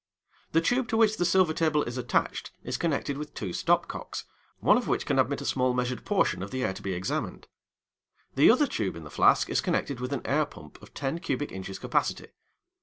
The tube to which the silver table is attached is connected with two stop cocks, one of which can admit a small measured portion of the air to be examined. The other tube in the flask is connected with an air pump of 10 cubic inches capacity.